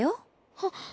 はっ。